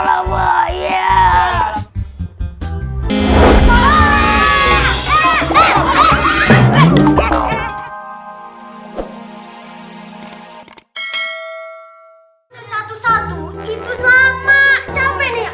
satu satu itu lama capek nih